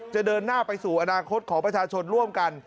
เดินหน้าไปสู่อนาคตของประชาชนร่วมกัน